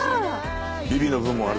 ビビの分もあるぞ。